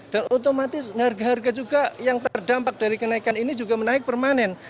dan otomatis harga harga juga yang terdampak dari kenaikan ini juga menaik permanen